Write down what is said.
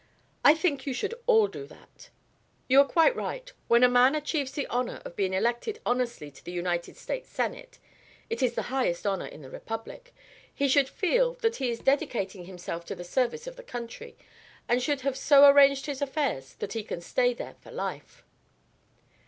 I think you should all do that." "You are quite right. When a man achieves the honour of being elected honestly to the United States Senate, it is the highest honour in the Republic, he should feel that he is dedicating himself to the service of the country, and should have so arranged his affairs that he can stay there for life."